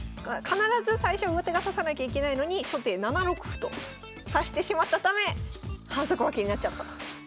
必ず最初は上手が指さなきゃいけないのに初手７六歩と指してしまったため反則負けになっちゃったということです。